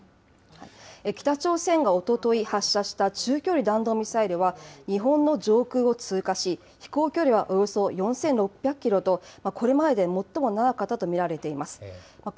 北朝鮮がおととい発射した中距離弾道ミサイルは日本の上空を通過し、飛行距離はおよそ４６００キロと、これまでで最も長かったと見られています。